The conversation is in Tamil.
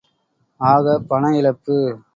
ஆகப் பண இழப்பு!